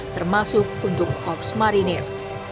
termasuk untuk kops marinir